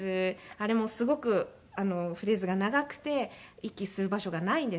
あれもすごくフレーズが長くて息吸う場所がないんですけれども。